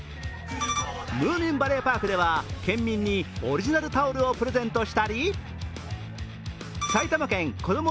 ムーミンバレーパークでは県民にオリジナルタオルをプレゼントしたり埼玉県こども